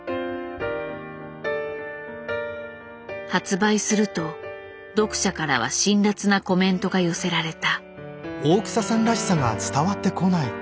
発売すると読者からは辛辣なコメントが寄せられた。